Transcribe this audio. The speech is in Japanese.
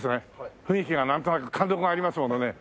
雰囲気がなんとなく貫禄がありますものね。